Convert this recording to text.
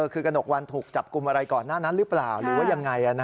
คือกระหนกวันถูกจับกลุ่มอะไรก่อนหน้านั้นหรือเปล่าหรือว่ายังไง